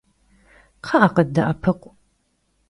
Kxhı'e, khıdde'epıkhu!